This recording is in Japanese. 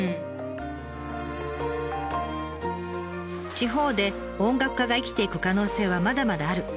地方で音楽家が生きていく可能性はまだまだある。